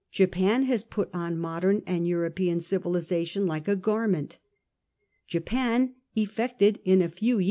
Japan has put on modem and European civilisation like a garment. J apan effected in a few.